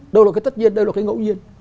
đâu là cái tất nhiên đây là cái ngẫu nhiên